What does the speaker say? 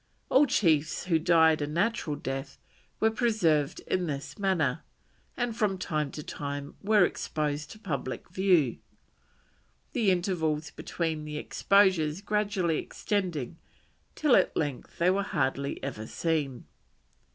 All chiefs who died a natural death were preserved in this manner, and from time to time were exposed to public view, the intervals between the exposures gradually extending till at length they were hardly ever seen.